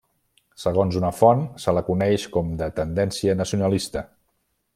Segons una font, se la coneix com de tendència nacionalista.